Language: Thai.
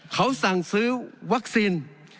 เขาสั่งซื้อวัคซีน